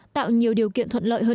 tạo nhiều điều kiện thuận lợi hơn